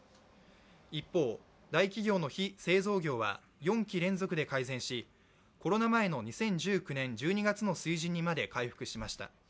一方、大企業の非製造業は４期連続で改善しコロナ前の２０１９年１２月の水準にまで回復しました。